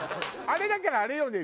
あれだからあれよね。